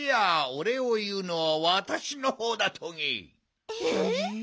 おれいをいうのはわたしのほうだトゲ。